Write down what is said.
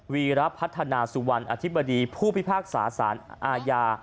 วีรพัฒนาสุวรรณอธิบดีผู้พิพากษาสารอาญา